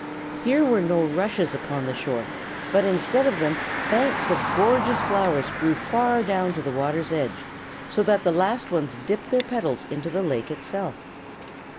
Here were no rushes upon the shore, but instead of them banks of gorgeous flowers grew far down to the water's edge, so that the last ones dipped their petals into the lake itself.